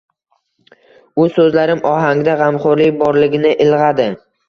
U so’zlarim ohangida g’amxo’rlik borligini ilg’adi.